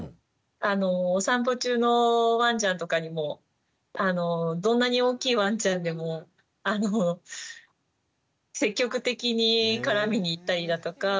お散歩中のワンちゃんとかにもどんなに大きいワンちゃんでも積極的に絡みに行ったりだとか。